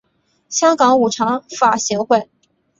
香港五常法协会